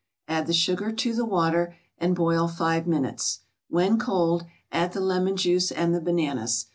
Add the sugar to the water, and boil five minutes; when cold, add the lemon juice and the bananas.